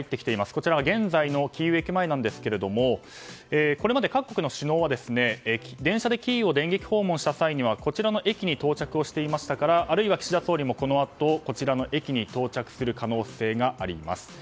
こちらが現在のキーウ駅前ですがこれまで各国の首脳は電車でキーウを電撃訪問した際にはこちらの駅に到着していましたからあるいは岸田総理も、このあとこちらの駅に到着する可能性があります。